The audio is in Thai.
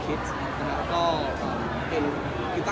ชื่อก่อนเราจะทายคิด